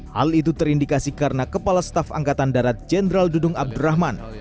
hal itu terindikasi karena kepala staf angkatan darat jenderal dudung abdurrahman